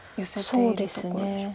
そうですね。